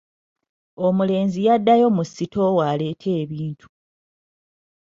Omulenzi yaddayo mu sitoowa aleete ebintu.